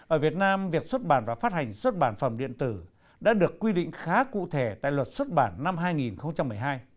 ở việt nam việc xuất bản và phát hành xuất bản phẩm điện tử đã được quy định khá cụ thể tại luật xuất bản năm hai nghìn một mươi hai